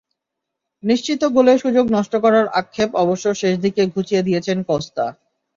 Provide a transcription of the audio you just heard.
নিশ্চিত গোলের সুযোগ নষ্ট করার আক্ষেপ অবশ্য শেষদিকে ঘুঁচিয়ে দিয়েছেন কস্তা।